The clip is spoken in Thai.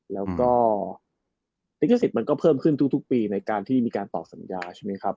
แล้วก็ลิขสิทธิ์มันก็เพิ่มขึ้นทุกปีในการที่มีการต่อสัญญาใช่ไหมครับ